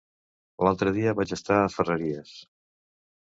L'altre dia vaig estar a Ferreries.